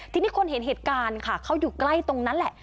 ทีนี้คนเห็นเหตุการณ์ค่ะเขาอยู่ใกล้ตรงนั้นแหละ